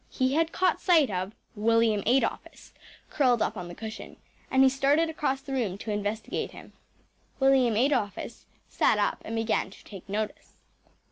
He had caught sight of William Adolphus curled up on the cushion, and he started across the room to investigate him. William Adolphus sat up and began to take notice.